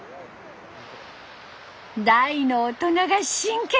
大の大人が真剣。